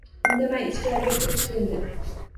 Indamay ichkariga kirib keldi.